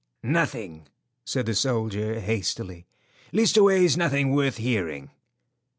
"Nothing," said the soldier, hastily. "Leastways nothing worth hearing."